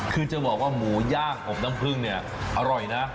คือจะบอกว่าหมูย่างอบน้ำพึ่งเนี่ยอร่อยนะ